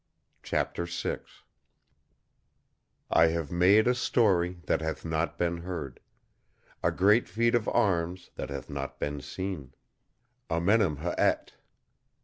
CHAPTER VI "I have made a story that hath not been heard; A great feat of arms that hath not been seen!" AMENEMHE'ET.